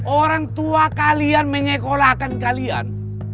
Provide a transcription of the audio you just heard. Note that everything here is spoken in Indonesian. orang tua kalian menyekolahkan kalian